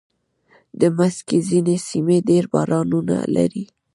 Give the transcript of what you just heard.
د مځکې ځینې سیمې ډېر بارانونه لري.